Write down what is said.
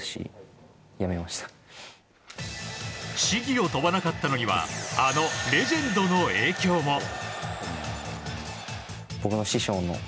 試技を飛ばなかったのにはあのレジェンドの影響も。